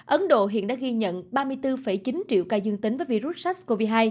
ấn độ hiện đã ghi nhận ba mươi bốn chín triệu ca dương tính với virus sars cov hai